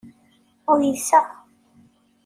Uyseɣ.